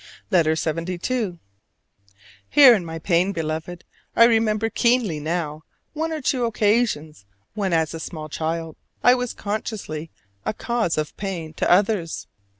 LETTER LXXII. Here in my pain, Beloved, I remember keenly now the one or two occasions when as a small child I was consciously a cause of pain to others.